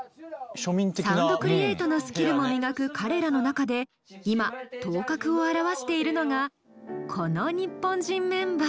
サウンドクリエートのスキルも磨く彼らの中で今頭角を現しているのがこの日本人メンバー。